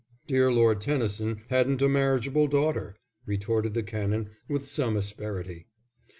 "Dear Lord Tennyson hadn't a marriageable daughter," retorted the Canon, with some asperity.